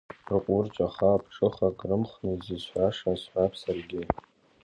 Рҟәырҷаха аԥҽыхак рымхны, исызҳәаша сҳәап саргьы.